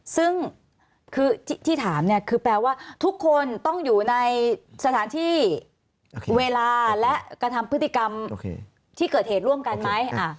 ซึ่งคือที่ถามเนี่ยคือแปลว่าทุกคนต้องอยู่ในสถานที่เวลาและกระทำพฤติกรรมที่เกิดเหตุร่วมกันไหม